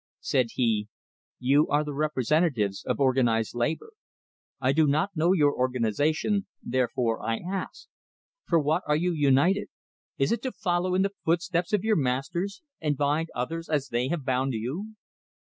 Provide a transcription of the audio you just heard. Said he: "You are the representatives of organized labor. I do not know your organization, therefore I ask: For what are you united? Is it to follow in the footsteps of your masters, and bind others as they have bound you?"